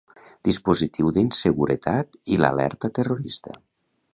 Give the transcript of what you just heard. Dispositiu d'inseguretat i l'alerta terrorista.